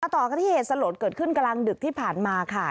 ต่อกันที่เหตุสลดเกิดขึ้นกลางดึกที่ผ่านมาค่ะ